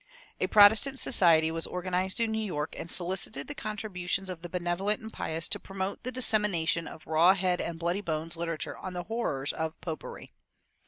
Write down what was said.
A "Protestant Society" was organized in New York, and solicited the contributions of the benevolent and pious to promote the dissemination of raw head and bloody bones literature on the horrors of popery.